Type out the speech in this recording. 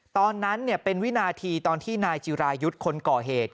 ตอนนั้นเป็นวินาทีตอนที่นายจิรายุทธ์คนก่อเหตุ